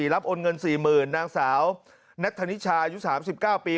รับโอนเงิน๔๐๐๐นางสาวนัทธนิชายุ๓๙ปี